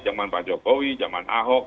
zaman pak jokowi zaman ahok